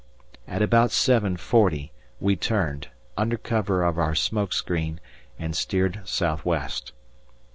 At about 7.40 we turned, under cover of our smoke screen, and steered south west.